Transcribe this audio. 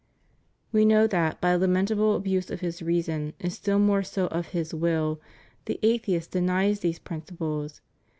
We know that, by a lamentable abuse of his reason, and still more so of his will, the atheist denies these prin ciples.